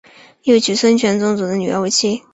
又娶孙权宗族的女儿为妻。